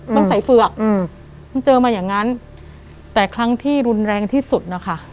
มันใส่เฝือกอืมมันเจอมาอย่างนั้นแต่ครั้งที่รุนแรงที่สุดนะคะ